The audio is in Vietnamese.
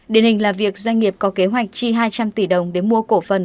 điển hình là việc doanh nghiệp có kế hoạch chi hai trăm linh tỷ đồng để mua cổ phần